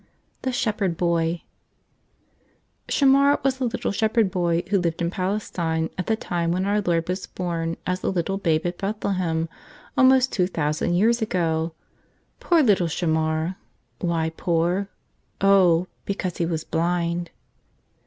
117 Cfte ^bep&etO 15og HAMAR was a little shepherd boy who lived in Palestine at the time when Our Lord was born as a little Babe at Bethlehem, almost two thousand years ago! Poor little Shamar! Why poor? Oh, because he was blind.